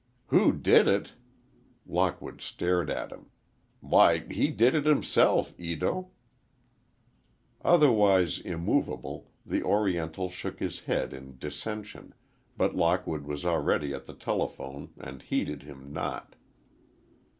"Who did it!" Lockwood stared at him. "Why, he did it himself, Ito." Otherwise immovable, the Oriental shook his head in dissension, but Lockwood was already at the telephone, and heeded him not.